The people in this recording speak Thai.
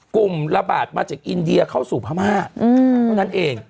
กลุ่มระบาดมาจากอินเดียเข้าสู่พม่าเท่านั้นเอง